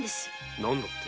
何だって？